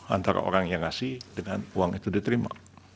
antara orang yang ngasih dengan uang itu diterima